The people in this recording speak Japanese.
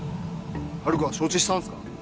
春子は承知したんですか？